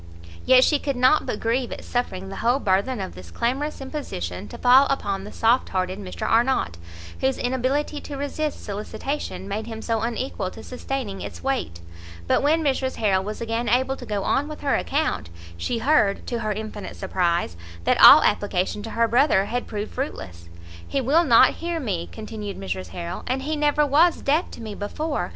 Yet she could not but grieve at suffering the whole burthen of this clamorous imposition to fall upon the soft hearted Mr Arnott, whose inability to resist solicitation made him so unequal to sustaining its weight; but when Mrs Harrel was again able to go on with her account, she heard, to her infinite surprise, that all application to her brother had proved fruitless. "He will not hear me," continued Mrs Harrel, "and he never was deaf to me before!